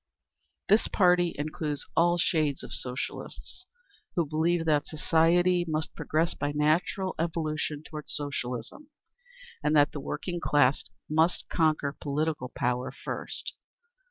_ This party includes all shades of Socialists who believe that society must progress by natural evolution toward Socialism, and that the working class must conquer political power first.